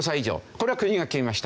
これは国が決めました。